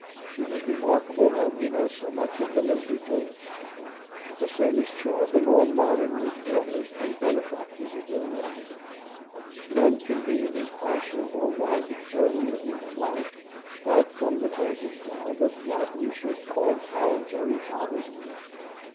It is remarkable that we know so much of them as we do. The same is true of the more modern reformers and benefactors of their race. None can be an impartial or wise observer of human life but from the vantage ground of what we should call voluntary poverty.